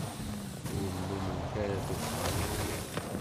Ur nnument ara tuffɣa deg iḍ.